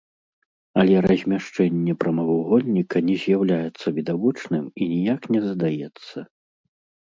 Але размяшчэнне прамавугольніка не з'яўляецца відавочным і ніяк не задаецца.